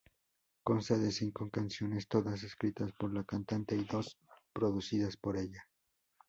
Consta de cinco canciones, todas escritas por la cantante y dos producidas por ella.